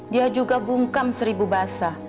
dia juga bungkam seribu basah